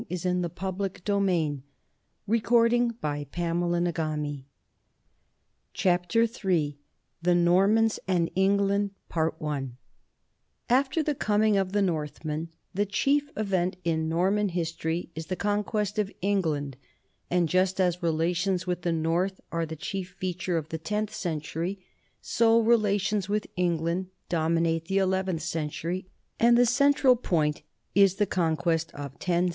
Mawer, The Vikings (Cambridge, 1913) ; and L. M. Larson, Canute the Great (New York, 1912). Ill NORMANDY AND ENGLAND AFTER the coming of the Northmen the chief event in Norman history is the conquest of England, and just as relations with the north are the chief feature of the tenth century, so relations with England dominate the eleventh century, and the central point is the conquest of 1066.